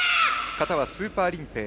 形はスーパーリンペイ。